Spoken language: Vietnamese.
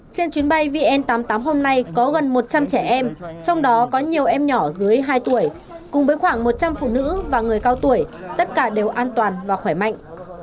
trên chuyến bay vn tám mươi tám hôm nay có gần một trăm linh trẻ em trong đó có nhiều em nhỏ dưới hai tuổi cùng với khoảng một trăm linh phụ nữ và người cao tuổi tất cả đều an toàn và khỏe mạnh